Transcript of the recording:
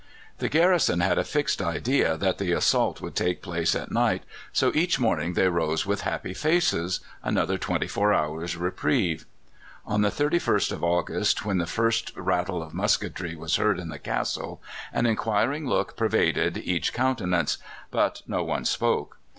The garrison had a fixed idea that the assault would take place at night, so each morning they rose with happy faces another twenty four hours' reprieve! On the 31st of August, when the first rattle of musketry was heard in the castle, an inquiring look pervaded each countenance; but no one spoke.